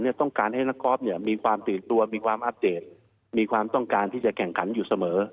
ต้องการให้นักกอล์ฟเนี่ยมีความตื่นตัวมีความอัปเดตมีความต้องการที่จะแข่งขันอยู่เสมอ